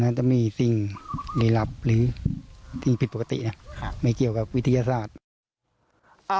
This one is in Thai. จะมีสิ่งลี้ลับหรือสิ่งผิดปกติไม่เกี่ยวกับวิทยาศาสตร์